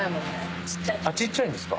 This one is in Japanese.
あっちっちゃいんですか？